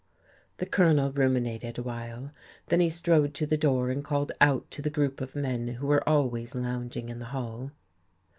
The Colonel ruminated awhile. Then he strode to the door and called out to the group of men who were always lounging in the hall.